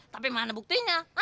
tapi mana buktinya